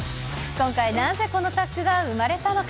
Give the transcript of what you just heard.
今回、なぜこの作品が生まれたのか。